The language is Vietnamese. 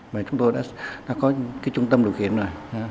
và chúng tôi đã có cái trung tâm điều khiển rồi